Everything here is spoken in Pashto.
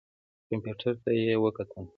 کمپیوټر ته یې وکتل.